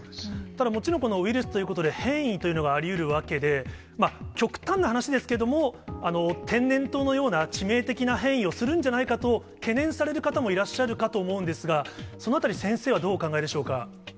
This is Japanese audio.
ただ、もちろんウイルスということで、変異というのはありうるわけで、極端な話ですけれども、天然痘のような致命的な変異をするんじゃないかと、懸念される方もいらっしゃるかと思うんですが、そのあたり、先生はどうお考えでしょうか。